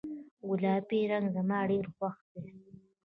ګلابي رنګ زما ډیر خوښ ده